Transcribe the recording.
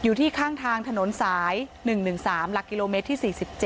อยู่ที่ข้างทางถนนสาย๑๑๓หลักกิโลเมตรที่๔๗